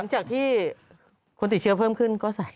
หลังจากที่คนติดเชื้อเพิ่มขึ้นก็ใส่